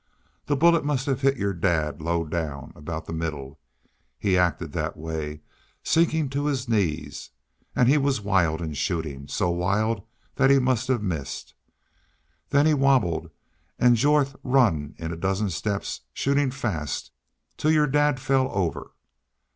The bullet must have hit your dad low down, aboot the middle. He acted thet way, sinkin' to his knees. An' he was wild in shootin' so wild thet he must hev missed. Then he wabbled an' Jorth run in a dozen steps, shootin' fast, till your dad fell over....